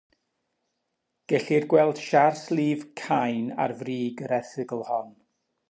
Gellir gweld siart lif "Cain" ar frig yr erthygl hon.